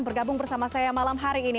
bergabung bersama saya malam hari ini